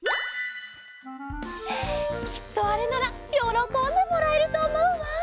きっとあれならよろこんでもらえるとおもうわ。